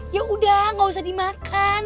yaudah gak usah dimakan